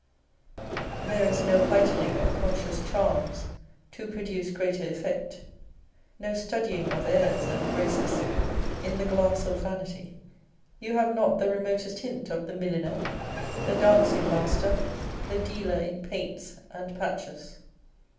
There is no heightening of conscious charms to produce greater effect, no studying of airs and graces in the glass of vanity. You have not the remotest hint of the milliner, the dancing master, the dealer in paints and patches.